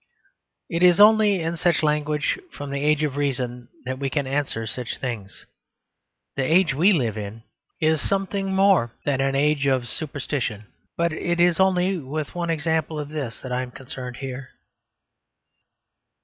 It is only in such language from the Age of Reason that we can answer such things. The age we live in is something more than an age of superstition it is an age of innumerable superstitions. But it is only with one example of this that I am concerned here.